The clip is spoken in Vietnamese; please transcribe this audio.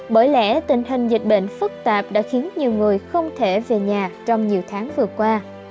bởi lẽ tình hình dịch bệnh phức tạp đã khiến nhiều người không thể về nhà trong nhiều tháng vừa qua